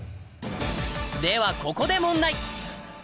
ではここで問題。